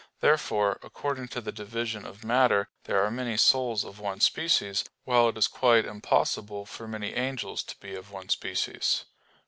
Therefore, according to the division of matter, there are many souls of one species; while it is quite impossible for many angels to be of one species.